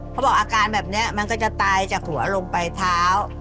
บอกอาการแบบนี้มันก็จะตายจากหัวลงไปเท้า